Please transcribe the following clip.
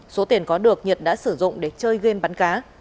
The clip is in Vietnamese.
số tiền có được nhật đã sử dụng để chơi game bắn cá